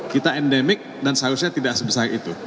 kita endemik dan seharusnya tidak sebesar itu